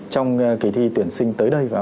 trong kỳ thi tuyển sinh tới đây